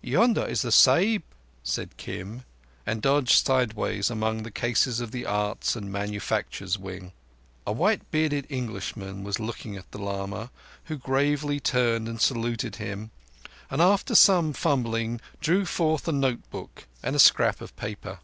"Yonder is the Sahib." said Kim, and dodged sideways among the cases of the arts and manufacturers wing. A white bearded Englishman was looking at the lama, who gravely turned and saluted him and after some fumbling drew forth a note book and a scrap of paper.